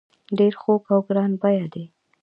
ډیر خوږ او ګران بیه دي.